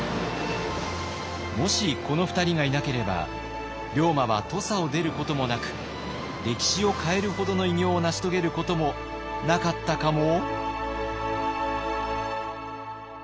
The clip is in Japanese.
もしこの２人がいなければ龍馬は土佐を出ることもなく歴史を変えるほどの偉業を成し遂げることもなかったかも？